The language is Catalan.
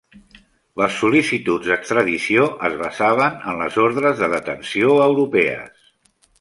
Les sol·licituds d'extradició es basaven en les ordres de detenció europees.